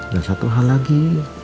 dan satu hal lagi